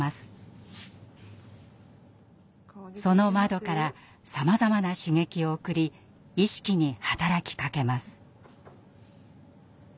その窓からさまざまな刺激を送り「意識」に働きかけます。